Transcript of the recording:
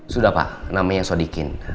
sudah pak namanya sodikin